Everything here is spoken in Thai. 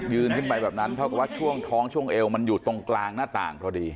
ขึ้นไปแบบนั้นเท่ากับว่าช่วงท้องช่วงเอวมันอยู่ตรงกลางหน้าต่างพอดี